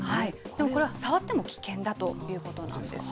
でもこれは触っても危険だということなんです。